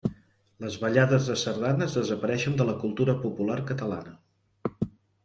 Les ballades de sardanes desapareixen de la cultura popular catalana